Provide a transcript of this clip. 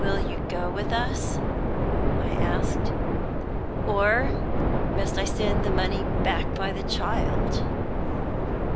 "Will you go with us?" I asked. "Or must I send the money back by the child?"